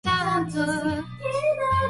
アイスクリームはおいしい